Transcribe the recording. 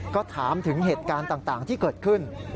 ก็ถามถึงเหตุการณ์ต่างที่เกิดขึ้น